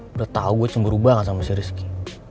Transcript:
berarti gue cuman berubah sama si rizky